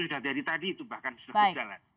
sudah dari tadi itu bahkan sudah berjalan